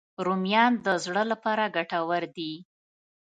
رومیان د زړه لپاره ګټور دي